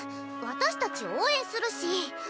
私たち応援するし！